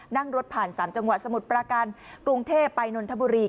นั่งรถผ่าน๓จังหวัดสมุทรปราการกรุงเทพไปนนทบุรี